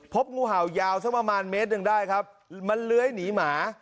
งูเห่ายาวสักประมาณเมตรหนึ่งได้ครับมันเลื้อยหนีหมา